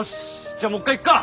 じゃあもう一回いくか。